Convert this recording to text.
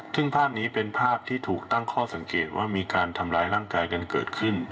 ซึ่งภาพนี้เป็นภาพที่ถูกตั้งข้อสังเกตว่ามีการทำร้ายร่างกายกันเกิดขึ้น